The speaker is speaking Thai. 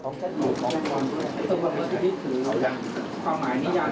ก็คือแล้วต่างคนต่างในความหมายนี้ตัวเอง